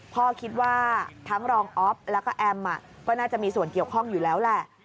พ่อคิดว่าทั้งรองอ๊อฟแล้วก็แอมก็น่าจะมีส่วนเกี่ยวข้องอยู่แล้วแหละ